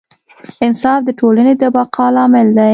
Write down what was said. انصاف د ټولنې د بقا لامل دی.